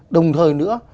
đồng thời nữa